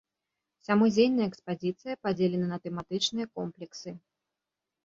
Уся музейная экспазіцыя падзелена на тэматычныя комплексы.